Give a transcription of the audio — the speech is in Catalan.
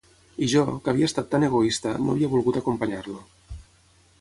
I jo, que havia estat tan egoista, no havia volgut acompanyar-lo.